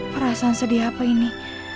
perasaan sedih apa ini